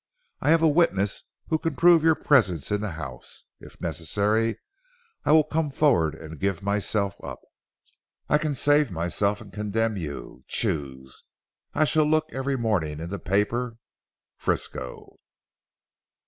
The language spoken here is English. I have a witness who can prove your presence in the house. If necessary I will come forward and give myself up. I can save myself and condemn you. Choose. I shall look every morning in the paper. FRISCO."